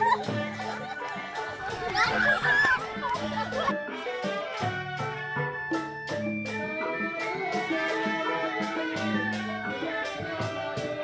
menggemaikan betawi agar selalu terngiang di kota kebanggaan